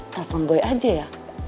telepon boy aja ya